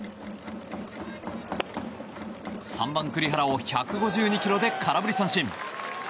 ３番、栗原を１５２ｋｍで空振り三振。